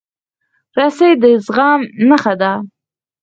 رسۍ د زغم نښه ده.